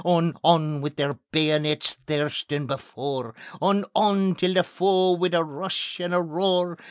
On, on, wi' their bayonets thirstin' before! On, on tae the foe wi' a rush and a roar!